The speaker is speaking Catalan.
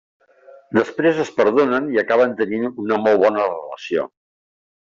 Després es perdonen i acaben tenint una molt bona relació.